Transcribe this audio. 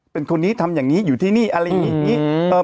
เป็นคนนี้ทำอย่างนี้อยู่ที่นี่อะไรอย่างนี้